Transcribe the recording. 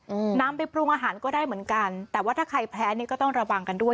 อืมนำไปปรุงอาหารก็ได้เหมือนกันแต่ว่าถ้าใครแพ้นี่ก็ต้องระวังกันด้วย